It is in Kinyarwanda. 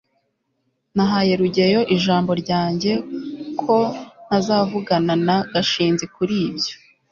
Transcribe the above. nahaye rugeyo ijambo ryanjye ko ntazavugana na gashinzi kuri ibyo